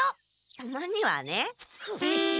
たまにはね。